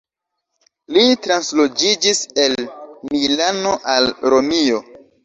Li transloĝiĝis el Milano al Romio.